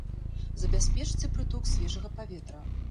Забяспечце прыток свежага паветра.